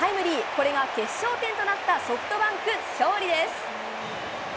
これが決勝点となったソフトバンク勝利です。